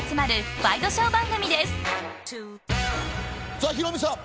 さあヒロミさん。